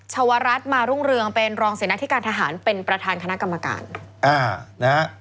ชาวรัฐมารุ่งเรืองเป็นรองเสนาธิการทหารเป็นประธานคณะกรรมการอ่านะฮะ